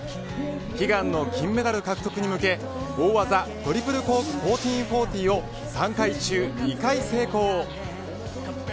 悲願の金メダル獲得に向けて大技トリプルコーク１４４０を３回中２回成功。